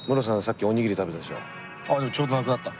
あっちょうどなくなった。